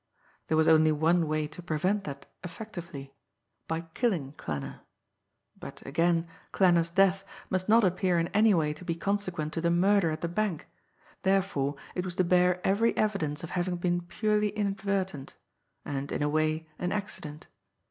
There was only one way to prevent that effectively by killing Klanner. But, again, Klanner's death must not appear in any way to be consequent to the murder at the bank therefore it was to bear every evidence of having been purely inadvertent, and, in a way, an accident.